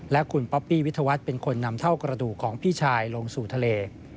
และคุณป๊อปปี้วิทยาวัฒน์เป็นคนนำเท่ากระดูกของพี่ชายลงสู่ทะเล